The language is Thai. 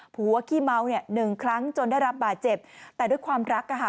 ผู้ขี้เมาเนี่ย๑ครั้งจนได้รับบาดเจ็บแต่ด้วยความรักค่ะ